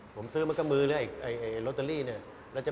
ผมซื้อมันก็มือเลยไอไอไอโรตเตอรี่เนี่ยแล้วจะ